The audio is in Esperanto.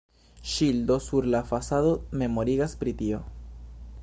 Ŝildo sur la fasado memorigas pri tio.